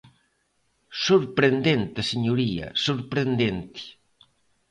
Sorprendente, señoría, sorprendente.